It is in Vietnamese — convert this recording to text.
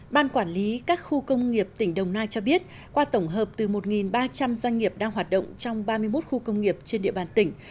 ban quản lý các khu công nghiệp tỉnh đồng nai cho biết qua tổng hợp từ một ba trăm linh doanh nghiệp đang hoạt động trong ba mươi một khu công nghiệp trên địa bàn tỉnh